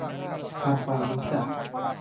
ทำความรู้จัก